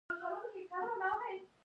افغانستان د باران کوربه دی.